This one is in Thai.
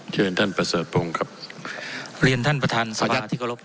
เชิญท่านประเสริฐพงศ์ครับเรียนท่านประธานสภาที่เคารพ